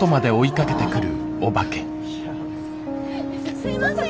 すいません！